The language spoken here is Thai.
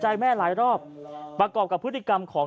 ชาวบ้านญาติโปรดแค้นไปดูภาพบรรยากาศขณะ